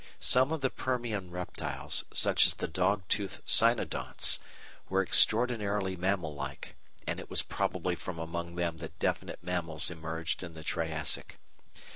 Some of the Permian reptiles, such as the dog toothed Cynodonts, were extraordinarily mammal like, and it was probably from among them that definite mammals emerged in the Triassic.